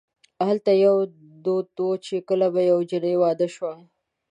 هلته یو دا دود و چې کله به یوه جنۍ واده شوه.